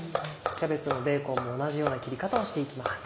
キャベツもベーコンも同じような切り方をして行きます。